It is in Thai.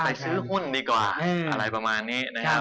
ซื้อหุ้นดีกว่าอะไรประมาณนี้นะครับ